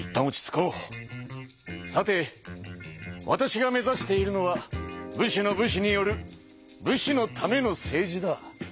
さてわたしが目ざしているのは武士の武士による武士のための政治だ。